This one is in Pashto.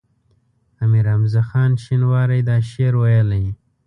امیر حمزه خان شینواری دا شعر ویلی.